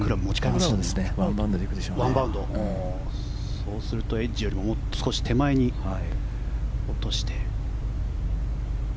そうするとエッジよりももう少し手前に落として。